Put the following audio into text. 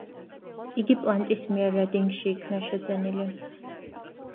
იგი პლანტის მიერ რედინგში იქნა შეძენილი.